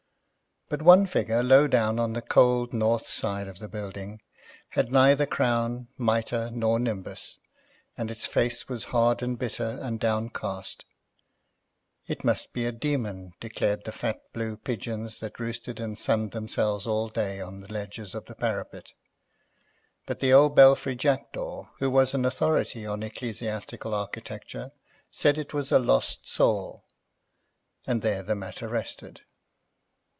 But one figure, low down on the cold north side of the building, had neither crown, mitre, not nimbus, and its face was hard and bitter and downcast; it must be a demon, declared the fat blue pigeons that roosted and sunned themselves all day on the ledges of the parapet; but the old belfry jackdaw, who was an authority on ecclesiastical architecture, said it was a lost soul. And there the matter rested.